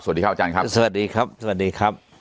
สวัสดีครับอาจารย์ครับสวัสดีครับสวัสดีครับ